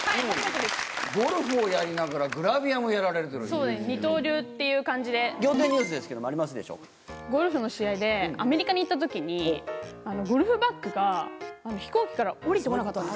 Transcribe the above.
ゴルフをやりながらグラビアそうです、二刀流っていう感仰天ニュースですけれどもあゴルフの試合でアメリカに行ったときに、ゴルフバッグが飛行機から降りてこなかったんです。